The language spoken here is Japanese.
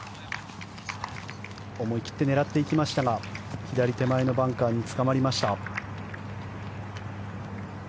思い切って狙っていきましたが左手前のバンカーにつかまりました。